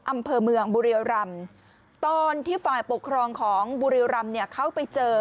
อำเภอเมืองบุรียรำตอนที่ฝ่ายปกครองของบุรีรำเนี่ยเขาไปเจอ